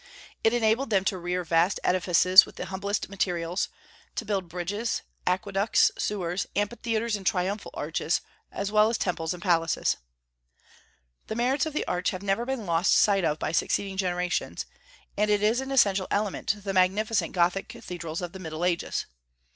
It enabled them to rear vast edifices with the humblest materials, to build bridges, aqueducts, sewers, amphitheatres, and triumphal arches, as well as temples and palaces. The merits of the arch have never been lost sight of by succeeding generations, and it is an essential element in the magnificent Gothic cathedrals of the Middle Ages.